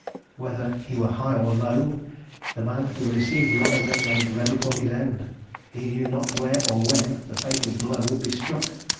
Whether he were high or low, the man who received one of them made ready for his end. He knew not where or when the fatal blow would be struck.